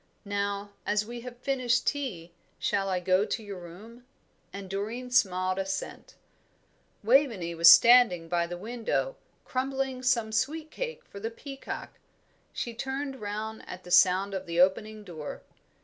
Now, as we have finished tea, shall I go to your room?" And Doreen smiled assent. Waveney was standing by the window, crumbling some sweet cake for the peacock. She turned round at the sound of the opening door.